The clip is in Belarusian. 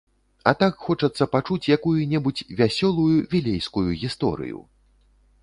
А так хочацца пачуць якую-небудзь вясёлую вілейскую гісторыю!